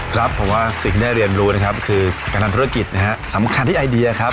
ครับผมว่าสิ่งที่ได้เรียนรู้นะครับคือการทำธุรกิจนะฮะสำคัญที่ไอเดียครับ